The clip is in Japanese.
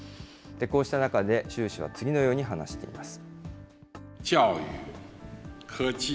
こうした中で習氏は次のように話しています。